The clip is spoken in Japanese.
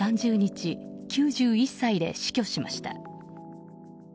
３０日、９１歳で死去しました。